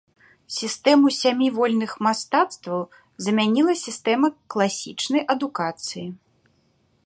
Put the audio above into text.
Сістэму сямі вольных мастацтваў замяніла сістэма класічнай адукацыі.